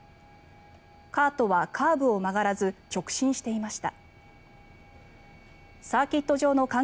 カートはカーブを曲がらず直進していました。